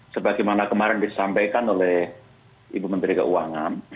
sebagaimana kemarin disampaikan oleh ibu menteri keuangan